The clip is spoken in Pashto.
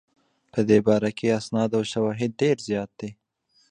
په دې باره کې اسناد او شواهد ډېر زیات دي.